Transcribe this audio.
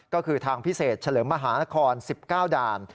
ก็คือทางพิเศษเฉลิมมหานคร๑๙ด่าน